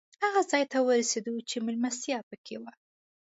هغه ځای ته ورسېدو چې مېلمستیا پکې وه.